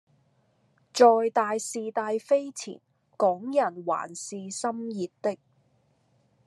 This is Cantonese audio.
在大事大非前港人還是心熱的